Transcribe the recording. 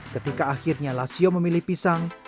ketika akhirnya lasio memilih pisang